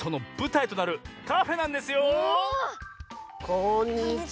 こんにちは！